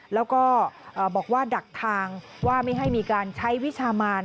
แล้วก็บอกว่าดักทางว่าไม่ให้มีการใช้วิชามาน